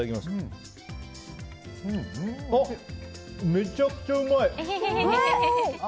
めちゃくちゃうまい！